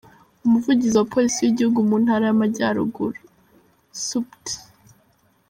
Umuvugizi wa Polisi w’Igihugu mu Ntara y’Amajyaruguru, Supt.